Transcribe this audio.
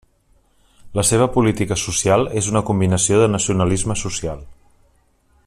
La seva política social és una combinació de nacionalisme social.